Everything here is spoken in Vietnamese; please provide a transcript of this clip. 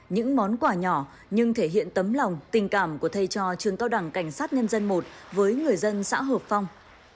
những món quà nhỏ nhưng thể hiện tấm lòng tình cảm của thầy trò trường cao đẳng cảnh sát nhân dân một với người dân xã hợp phong